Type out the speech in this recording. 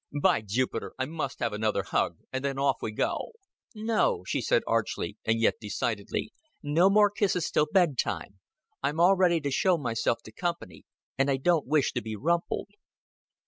"By Jupiter, I must have another hug and then off we go." "No," she said archly, and yet decidedly. "No more kisses till bedtime. I'm all ready to show myself to company, and I don't wish to be rumpled."